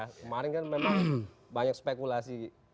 kemarin kan memang banyak spekulasi